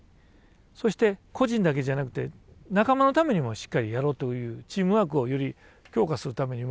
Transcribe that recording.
そして個人だけじゃなくて仲間のためにもしっかりやろうというチームワークをより強化するためにも